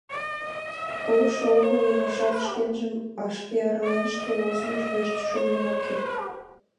Колышо огыл, илышат шкенжым шке арален, шке возымыж верч шоген ок керт.